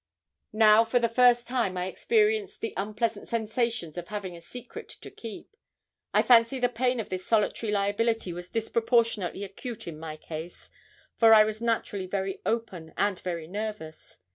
Now, for the first time, I experienced the unpleasant sensations of having a secret to keep. I fancy the pain of this solitary liability was disproportionately acute in my case, for I was naturally very open and very nervous.